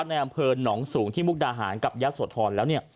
ในอำเภิญหนองสูงที่มุกดาหารกับยักษ์โสธรแล้ว